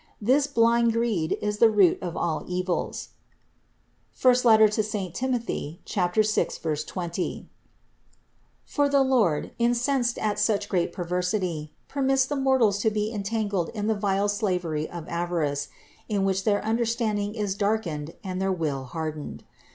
This blind greed is the root of all evils (I Tim. 6, 20) ; for the Lord, incensed at such great perversity, permits the mortals to be en tangled in the vile slavery of avarice, in which their understanding is darkened and their will hardened.